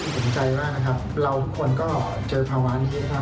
เห็นใจมากนะครับเราทุกคนก็เจอภาวะนี้นะครับ